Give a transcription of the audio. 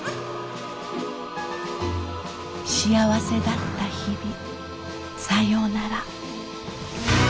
幸せだった日々さようなら。